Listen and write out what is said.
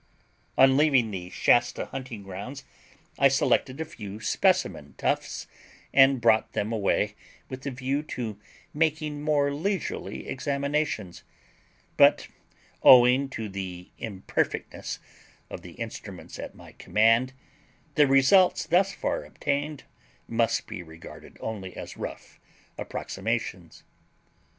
On leaving the Shasta hunting grounds I selected a few specimen tufts, and brought them away with a view to making more leisurely examinations; but, owing to the imperfectness of the instruments at my command, the results thus far obtained must be regarded only as rough approximations.